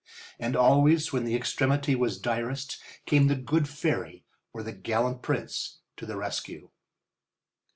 And always when the extremity was direst came the good fairy or the gallant prince to the rescue.